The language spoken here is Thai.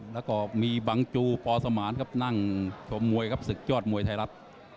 แล้วก็มีบังจูปอสมานครับนั่งชมมวยครับศึกยอดมวยไทยรัฐ